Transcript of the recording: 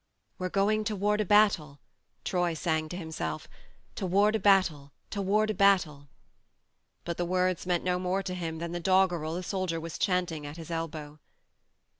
" We're going toward a battle," Troy sang to himself, "toward a battle, to ward a battle. ..." But the words meant no more to him than the doggerel the soldier was chanting at his elbow.